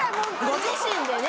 ご自身でね。